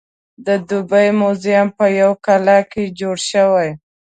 د دوبۍ موزیم په یوه کلا کې جوړ شوی.